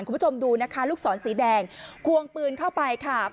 คุณผู้ชมดูนะคะลูกศรสีแดงควงปืนเข้าไปค่ะ